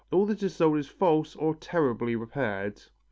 All that is sold is false or terribly repaired."